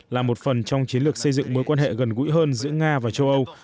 là một phần trong chiến lược xây dựng mối quan hệ gần gũi hơn giữa nga và châu âu